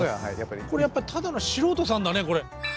これやっぱただの素人さんだねこれ。